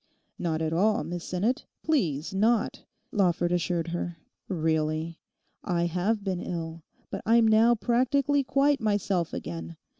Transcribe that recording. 'Not at all, Miss Sinnet; please not,' Lawford assured her, 'really. I have been ill, but I'm now practically quite myself again.